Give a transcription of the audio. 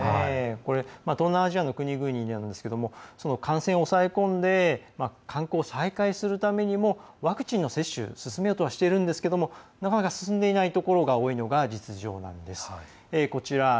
東南アジアの国々感染を抑え込んで観光を再開するためにもワクチンの接種進めようとはしているんですがなかなか進んでいないところが多いのが実情なんです。